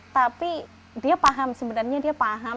tapi dia paham sebenarnya dia paham